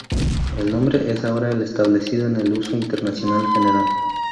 El nombre es ahora el establecido en el uso internacional general.